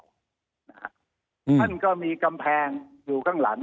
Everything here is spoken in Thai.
ท่านก็มีกำแพงอยู่ข้างหลัง